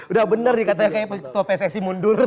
udah benar nih katanya kayaknya ketua pssi mundur